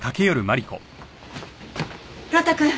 呂太くん。